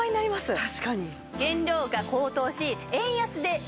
確かに。